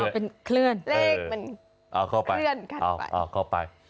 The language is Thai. เลขมันเคลื่อนกันไปเอาเข้าไปเอาเข้าไป